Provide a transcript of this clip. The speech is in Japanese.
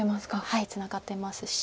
はいツナがってますし。